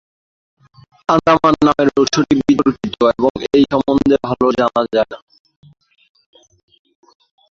আন্দামান নামের উৎসটি বিতর্কিত এবং এই সম্বন্ধে ভালো জানা যায়না।